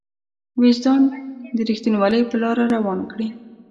وجدان د رښتينولۍ په لاره روان کړي.